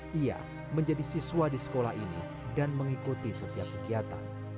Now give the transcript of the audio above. dia menjadi siswa di sekolah ini dan mengikuti setiap kegiatan